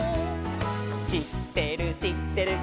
「しってるしってる」